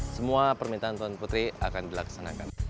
semua permintaan tuan putri akan dilaksanakan